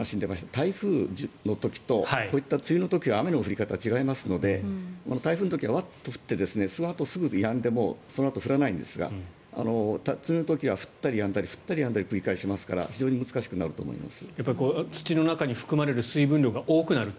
台風の時とこういった梅雨の時は雨の降り方が違いますので台風の時はワッと降ってそのあとすぐやんでそのあと降らないんですが梅雨の時は降ったりやんだり降ったりやんだり繰り返しますから土の中に含まれる水分が多くなると。